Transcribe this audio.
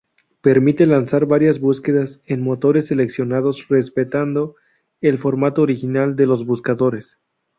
Permite lanzar varias búsquedas en motores seleccionados respetando el formato original de los buscadores.